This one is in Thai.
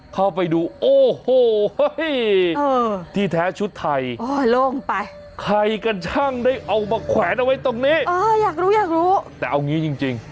เข้าไปดูโอ้โห้เฮ้ยที่แท้ชุดไทยใครกันช่างได้เอามาแขวนเอาไว้ตรงนี้แต่เอางี้จริง